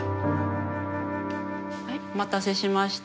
はいお待たせしました。